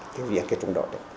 thế việc cái trung đội đấy